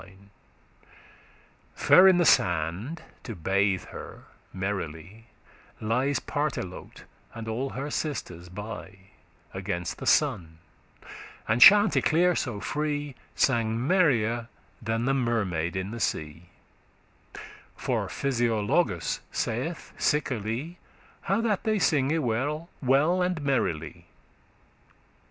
* *conjecture, imagine Fair in the sand, to bathe* her merrily, *bask Lies Partelote, and all her sisters by, Against the sun, and Chanticleer so free Sang merrier than the mermaid in the sea; For Physiologus saith sickerly,* *certainly How that they singe well and merrily.